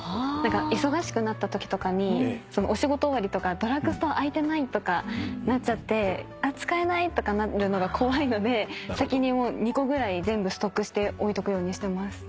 忙しくなったときとかにお仕事終わりとかドラッグストア開いてない！とかなっちゃって使えない！とかなるのが怖いので先に２個ぐらい全部ストックして置いとくようにしてます。